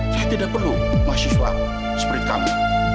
saya tidak perlu mahasiswa seperti kami